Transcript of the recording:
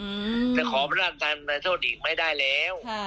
อือก็ขอพระราชธรรมโทษอีกไม่ได้แล้ว